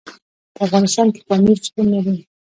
په افغانستان کې پامیر شتون لري.